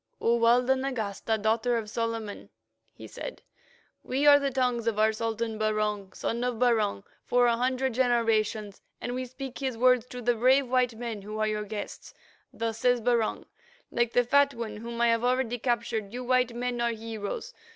"O, Walda Nagasta, Daughter of Solomon," he said, "we are the tongues of our Sultan Barung, Son of Barung for a hundred generations, and we speak his words to the brave white men who are your guests. Thus says Barung. Like the Fat One whom I have already captured, you white men are heroes.